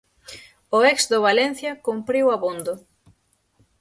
O ex do Valencia cumpriu abondo.